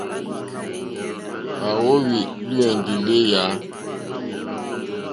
À wóhwì lùwɛ̀ndì lééyà.